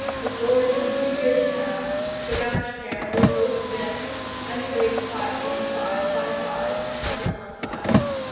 Before two years passed, the rash pair were both dead, and laid quietly side by side under one slab.